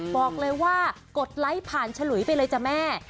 บอกเลยว่ากดไลค์ผ่านฉลุยไปเลยจ้ะแม่